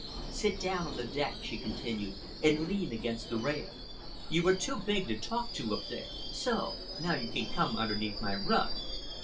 "Sit down on the deck," she continued, "and lean against the rail. You are too big to talk to up there. So! Now you can come underneath my rug.